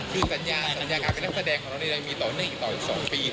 คือสัญญาสัญญาการเป็นด้านแสดงของเรายังมีต่อ๑ต่อ๒ปีถูกไหม